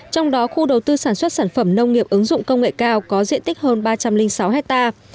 trong đó khu đầu tư sản xuất sản phẩm nông nghiệp ứng dụng công nghệ cao có diện tích hơn ba trăm linh sáu hectare